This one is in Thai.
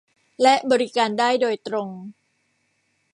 และบริการได้โดยตรง